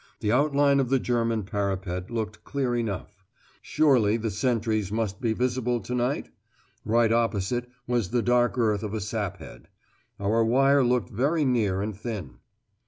The outline of the German parapet looked clear enough. Surely the sentries must be almost visible to night? Right opposite was the dark earth of a sap head. Our wire looked very near and thin.